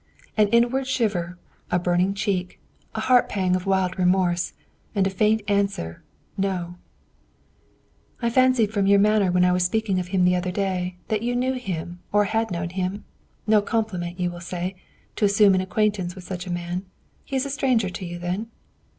An inward shiver, a burning cheek, a heartpang of wild remorse, and a faint answer. "No." "I fancied from your manner when I was speaking of him the other day, that you knew him or had known him. No compliment, you will say, to assume an acquaintance with such a man. He is a stranger to you, then?"